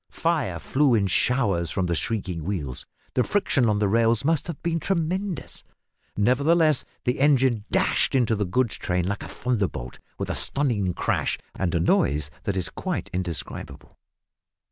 Fire flew in showers from the shrieking wheels the friction on the rails must have been tremendous, nevertheless the engine dashed into the goods train like a thunderbolt with a stunning crash and a noise that is quite indescribable.